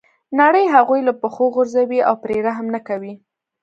نړۍ هغوی له پښو غورځوي او پرې رحم نه کوي.